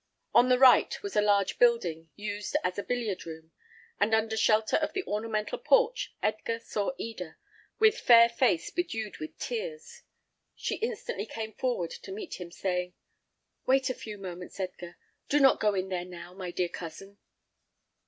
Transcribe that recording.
On the right was a large building, used as a billiard room; and under shelter of the ornamental porch, Edgar saw Eda, with fair face bedewed with tears. She instantly came forward to meet him, saying, "Wait a few moments, Edgar. Do not go in there now, my dear cousin."